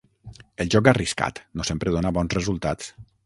El joc arriscat no sempre dona bons resultats.